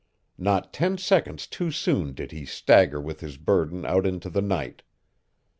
Not ten seconds too soon did he stagger with his burden out into the night.